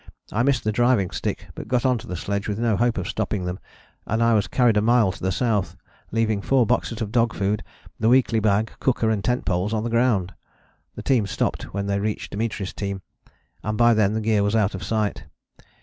I missed the driving stick but got on to the sledge with no hope of stopping them, and I was carried a mile to the south, leaving four boxes of dog food, the weekly bag, cooker, and tent poles on the ground. The team stopped when they reached Dimitri's team, and by then the gear was out of sight.